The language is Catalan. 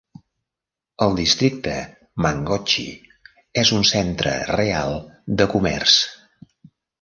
El districte Mangochi és un centre real de comerç.